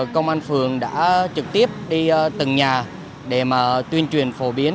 công an phường đã trực tiếp đi từng nhà để tuyên truyền phổ biến